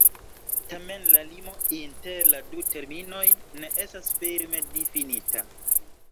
Tamen la limo inter la du terminoj ne estas firme difinita.